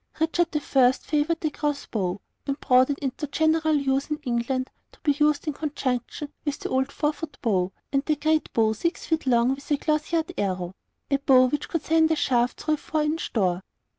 Richard I. favoured the cross bow, and brought it into general use in England to be used in conjunction with the old 4 foot bow and the great bow 6 feet long with the cloth yard arrow a bow which could send a shaft through a 4 inch door.